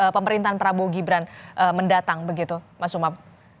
pemerintahan prabowo gibran mendatang begitu mas umam